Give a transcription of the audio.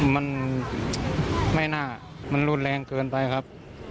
มันไม่น่ามันรุนแรงเกินไปครับ